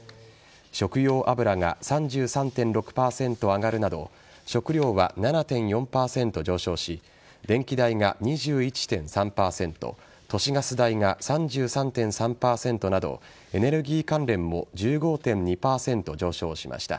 食用油が３３．６％上がるなど食料は７．４％上昇し電気代が２１．３％都市ガス代が３３．３％などエネルギー関連も１５．２％上昇しました。